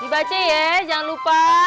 dibaca ya jangan lupa